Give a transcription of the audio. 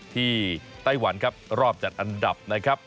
ไต้หวันครับรอบจัดอันดับนะครับ